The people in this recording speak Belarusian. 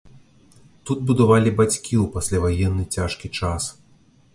Тут будавалі бацькі ў пасляваенны цяжкі час.